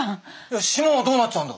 島はどうなっちゃうんだ？